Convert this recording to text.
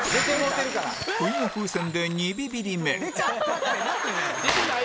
不意の風船で２ビビリ目